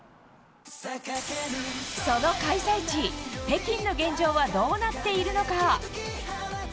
その開催地、北京の現状はどうなっているのか？